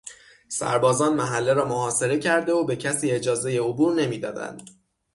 سربازان محله را محاصره کرده و به کسی اجازهی عبور نمیدادند.